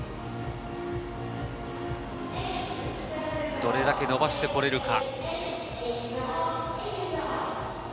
どれだけ伸ばしてこられるか。